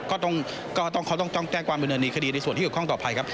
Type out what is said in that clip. ก็ต้องแจ้งความบริเวณในคดีในส่วนที่คือข้องต่อภัยครับ